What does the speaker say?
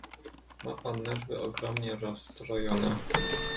"Ma pan nerwy ogromnie rozstrojone."